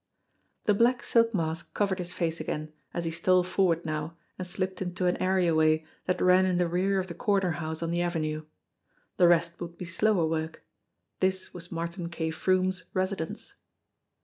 The black silk mask covered his face again, as he stole forward now and slipped into an areaway that ran in the rear of the corner house on the Avenue. The rest would be slower work. This was Martin K. Froomes' residence.